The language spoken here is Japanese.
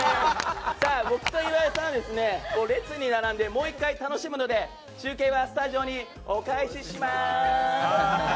さあ、僕と岩井さんは列に並んでもう１回、楽しむので中継はスタジオにお返しします！